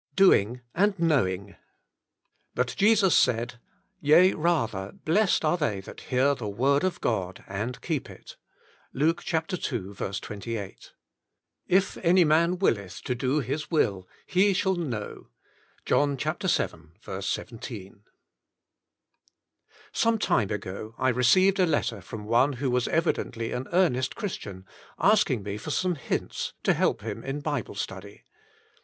IX DOING AND KNOWING " But Jesus said, * Yea rather, blessed are they that hear the word of God, and keep it.' "— Luke ii. 28. " If any man willeth to do His will, he shall know.^* — John vii. 17. Some time ago I received a letter from one who was evidently an earnest Christian, asking me for some hints to help him in Bible study.